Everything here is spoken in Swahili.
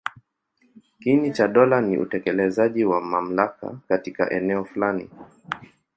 Kiini cha dola ni utekelezaji wa mamlaka katika eneo fulani.